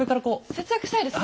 節約したいですね。